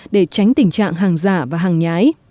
để tránh tình trạng hàng giả và hàng nhái